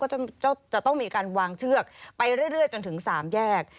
ก็จะต้องมีการวางเชือกไปเรื่อยจนถึง๓แยก